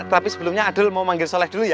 tapi sebelumnya abdul mau manggil soleh dulu ya